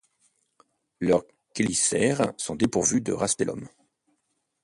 Leur chélicères sont dépourvues de rastellum.